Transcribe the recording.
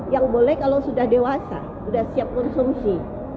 yang boleh kalau sudah dewasa sudah siap konsumsi